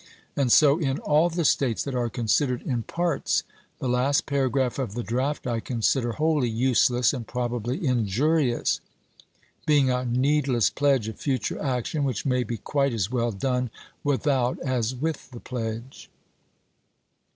And so in all the States that are considered in parts. The last paragraph of the draft I consider wholly useless, and probably injurious — being a needless pledge Bates, of future action, which may be quite as well done without Memoran ^.i j.t_ i i dum. MS. as With the pledge.